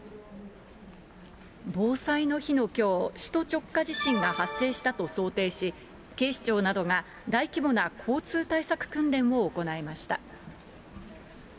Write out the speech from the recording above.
防災の日のきょう、首都直下地震が発生したと想定し、警視庁などが大規模な交通対策訓練を行いました。